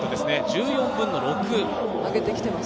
１４分の６。